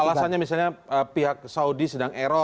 kalau alasannya misalnya pihak saudi sedang eros